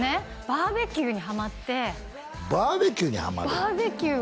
バーベキューにハマってバーベキューにハマる？